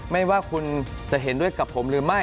ไม่ว่าคุณจะเห็นด้วยกับผมหรือไม่